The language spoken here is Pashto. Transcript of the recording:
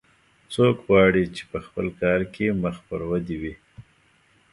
څوک غواړي چې په خپل کار کې مخ پر ودې وي